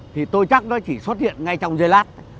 thì tôi chắc nó chỉ xuất hiện ngay trong giê lát